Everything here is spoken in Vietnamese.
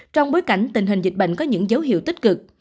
trong bối cảnh tình hình dịch bệnh có những dấu hiệu tích cực